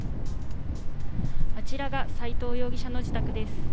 あちらが斉藤容疑者の自宅です。